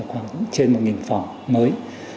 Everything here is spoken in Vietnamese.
khoảng trên một phòng mới